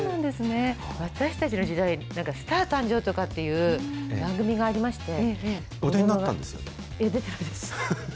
私たちの時代、なんかスター誕生とかいう番組がありまして。